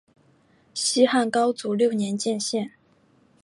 西汉高祖六年建县。